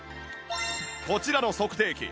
こちらの測定器